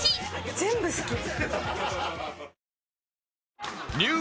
全部好き！